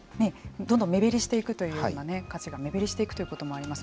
どんどん目減りしていくというような価値が目減りしていくということもあります。